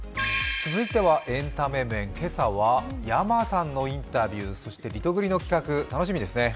続いてはエンタメ面、今朝はｙａｍａさんのインタビュー、そしてリトグリの企画、楽しみですね。